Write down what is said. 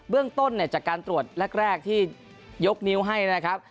เรื่องต้นเนี่ยจากการตรวจแรกที่ยกนิ้วให้นะครับ